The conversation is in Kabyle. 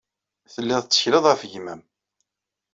Telliḍ tettekleḍ ɣef gma-m.